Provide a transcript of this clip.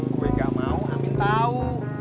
gue gak mau amin tahu